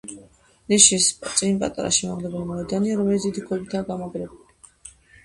ნიშის წინ პატარა შემაღლებული მოედანია, რომელიც დიდი ქვებითაა გამაგრებული.